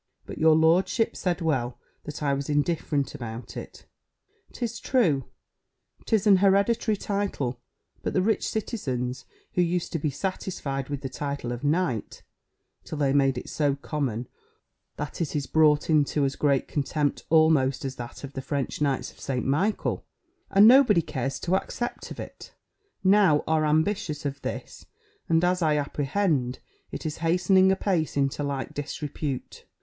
But your lordship said well, that I was indifferent about it. 'Tis true, 'tis an hereditary title; but the rich citizens, who used to be satisfied with the title of Knight, (till they made it so common, that it is brought into as great contempt almost as that of the French knights of St. Michael, and nobody cares to accept of it) now are ambitious of this; and, as I apprehend, it is hastening apace into like disrepute.